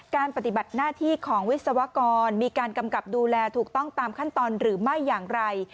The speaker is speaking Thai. ปฏิบัติหน้าที่ของวิศวกรมีการกำกับดูแลถูกต้องตามขั้นตอนหรือไม่อย่างไร